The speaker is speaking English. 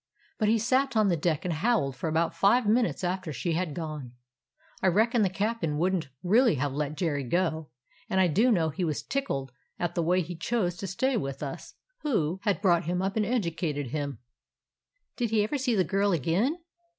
But he sat on the deck and howled for about five minutes after she had gone. I reckon the cap'n would n't really have let Jerry go, and I do know he was tickled at the way he chose to stay with us who had brought him up and educated him." "Did he ever see the girl again?"